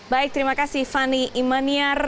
baik terima kasih fani imaniar